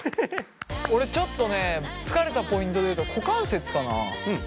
俺ちょっとね疲れたポイントで言うと股関節かな。